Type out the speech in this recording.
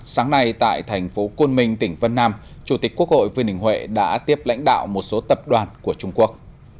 sáng nay tại thành phố côn minh tỉnh vân nam chủ tịch quốc hội vương đình huệ đã tiếp lãnh đạo một số tập đoàn của trung quốc